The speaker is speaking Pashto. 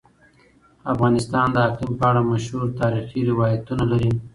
افغانستان د اقلیم په اړه مشهور تاریخی روایتونه لري.